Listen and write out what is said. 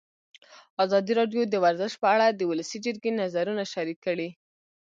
ازادي راډیو د ورزش په اړه د ولسي جرګې نظرونه شریک کړي.